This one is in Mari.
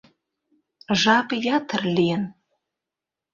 Жап ятыр лийын.